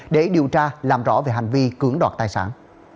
để điều tra làm rõ về hành vi cưỡng đoạt tài sản